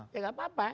ya enggak apa apa